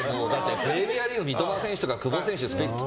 プレミアリーグ三笘選手とか久保選手